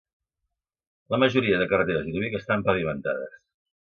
La majoria de carreteres d'Inuvik estan pavimentades.